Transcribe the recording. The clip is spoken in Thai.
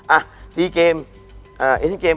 อะซีเกมเอธิเกม